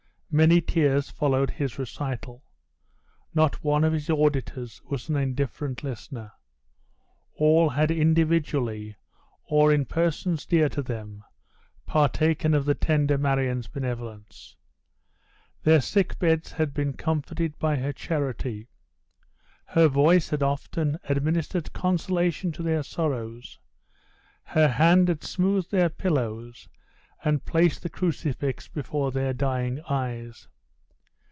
Many tears followed his recital; not one of his auditors was an indifferent listener; all had individually or in persons dear to them, partaken of the tender Marion's benevolence. Their sick beds had been comforted by her charity; her voice had often administered consolation to their sorrows; her hand had smoothed their pillows, and placed the crucifix before their dying eyes.